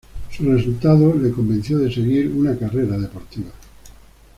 Su resultado le convenció de seguir una carrera deportiva.